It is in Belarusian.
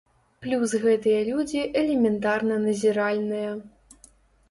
Плюс гэтыя людзі элементарна назіральныя.